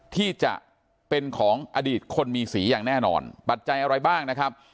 ที่จะเป็นของอดีตคนมีสีอย่างแน่นอนปัจจัยอะไรบ้างนะครับ